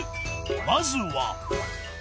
まずは。